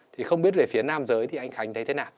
thì không biết về phía nam giới thì anh khánh thấy thế nào